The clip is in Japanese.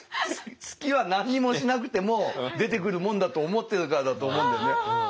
好きは何にもしなくても出てくるもんだと思ってるからだと思うんだよね。